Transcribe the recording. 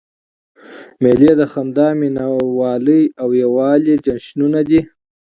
مېلې د خندا، مینوالۍ او یووالي جشنونه دي.